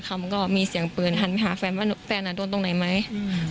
เขาก็มีเสียงปืนหันไปหาแฟนว่าแฟนอ่ะโดนตรงไหนไหมอืม